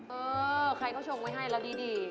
เออใครก็ชงไว้ให้แล้วดี